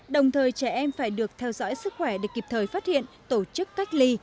đồng thời trẻ em phải được theo dõi sức khỏe để kịp thời phát hiện tổ chức cách ly